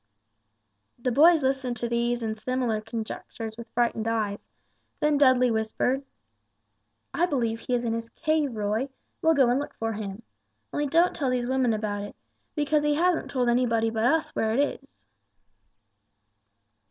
The boys listened to these and similar conjectures with frightened eyes; then Dudley whispered, "I believe he is in his cave, Roy; we'll go and look for him. Only don't tell these women about it, because he hasn't told anybody but us where it is."